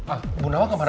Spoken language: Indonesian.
ah bu nawang kemana